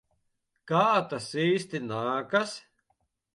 Kā tas īsti nākas?